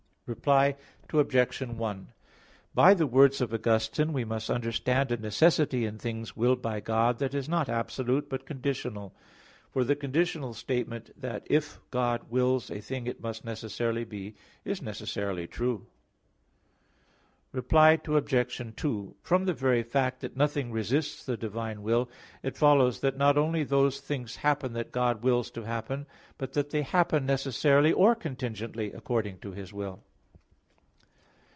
Reply Obj. 1: By the words of Augustine we must understand a necessity in things willed by God that is not absolute, but conditional. For the conditional statement that if God wills a thing it must necessarily be, is necessarily true. Reply Obj. 2: From the very fact that nothing resists the divine will, it follows that not only those things happen that God wills to happen, but that they happen necessarily or contingently according to His will.